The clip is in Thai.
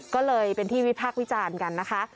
ก็เลยเป็นที่วิพากษ์วิจารณ์กันนะคะ